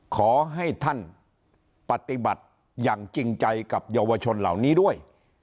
ขอให้ท่านปฏิบัติอย่างจริงใจกับเยาวชนเหล่านี้ด้วย